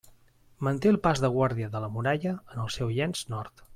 Manté el pas de guàrdia de la muralla en el seu llenç nord.